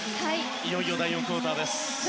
いよいよ第４クオーターです。